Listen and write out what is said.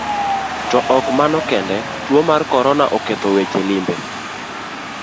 To ok mano kende, tuo mar korona oketho weche limbe.